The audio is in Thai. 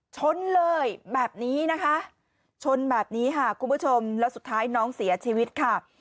ชนเลยแบบนี้นะคะชนแบบนี้ค่ะคุณผู้ชมแล้วสุดท้ายน้องเสียชีวิตค่ะ